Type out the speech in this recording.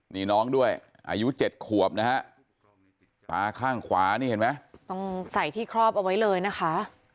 นี่น้องด้วยอายุ๗ขวบนะฮะตาข้างขวานี่เห็นไหมต้องใส่ที่ครอบเอาไว้เลยนะคะ